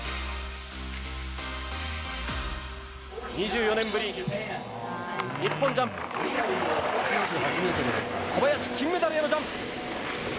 ２４年ぶり、日本ジャンプ小林、金メダルへのジャンプ。